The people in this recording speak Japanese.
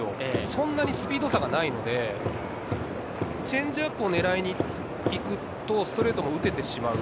そんなにスピード差がないので、チェンジアップを狙いにいくとストレートも打ててしまう。